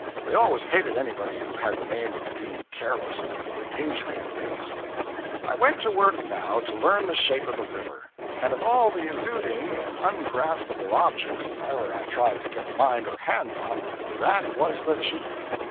They always hated anybody who had the name of being careless, and injuring things. I went to work now to learn the shape of the river; and of all the eluding and ungraspable objects that ever I tried to get mind or hands on, that was the chief.